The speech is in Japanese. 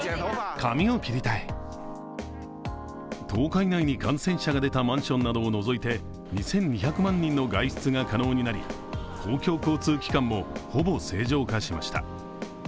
１０日以内に感染者が出たマンションなどを除いて２２００万人の外出が可能になり公共交通機関もほぼ正常化しました。